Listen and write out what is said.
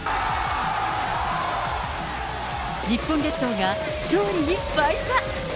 日本列島が勝利に沸いた。